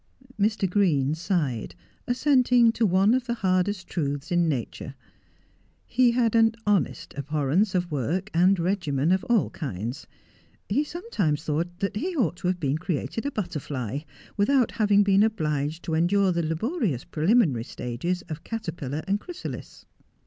Mr. Green sighed, assenting to one of the hardest truths in nature, He had an honest abhorrence of work and regimen of all kinds. He sometimes thought that he ought to have been created a butterfly, without having been obliged to endure the laborious preliminary stages of caterpillar and chrysalis.